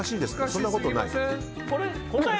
そんなことない？